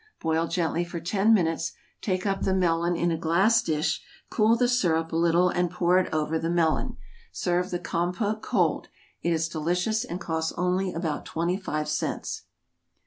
Boil gently for ten minutes, take up the melon in a glass dish, cool the syrup a little, and pour it over the melon. Serve the compôte cold; it is delicious, and costs only about twenty five cents.